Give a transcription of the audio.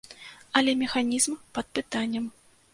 Але механізм пад пытаннем.